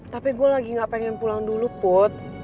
tapi gue lagi gak pengen pulang dulu put